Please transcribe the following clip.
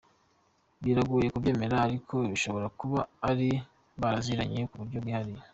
Biragoye kubyemera ariko bashobora kuba bari baraziranye mu buryo bwihariye”.